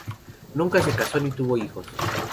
Nunca se casó ni tuvo hijos.